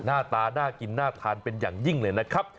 หน้าตาน่ากินน่าทานเป็นอย่างยิ่งเลยนะครับ